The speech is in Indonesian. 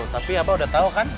tapi abah sudah tahu kan